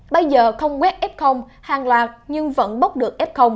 bây giờ không quét f hàng loạt nhưng vẫn bốc được f